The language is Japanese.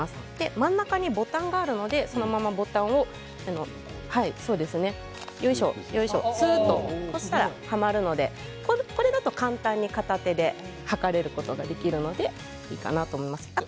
真ん中にボタンがありますのでボタンを押すとはまりますのでこれだと簡単に片手で測ることができますのでいいかなと思います。